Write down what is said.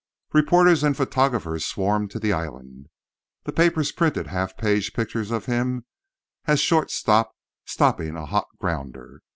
Reporters and photographers swarmed to the island. The papers printed half page pictures of him as short stop stopping a hot grounder.